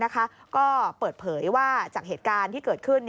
ก็เปิดเผยว่าจากเหตุการณ์ที่เกิดขึ้น